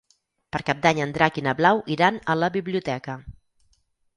Per Cap d'Any en Drac i na Blau iran a la biblioteca.